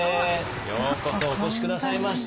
ようこそお越し下さいました。